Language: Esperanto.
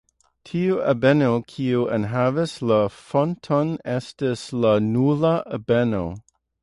Tiu ebeno kiu enhavas la fonton estas la "nula" ebeno.